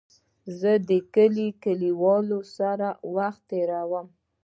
زه د کلي د کليوالو سره وخت تېرووم.